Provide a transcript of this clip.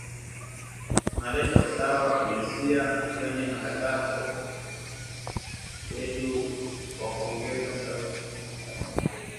tuna leta usawa wa jinsia kwenye matangazo yetu kwa kuongeza sauti za wanawake